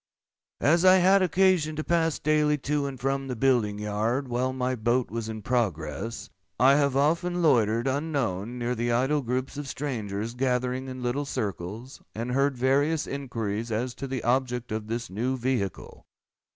As I had occasion to pass daily to and from the building yard while my boat was in progress, I have often loitered, unknown, near the idle groups of strangers gathering in little circles, and heard various inquiries as to the object of this new vehicle.